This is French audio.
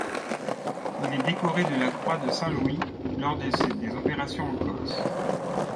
Il est décoré de la Croix de Saint-Louis lors des opérations en Corse.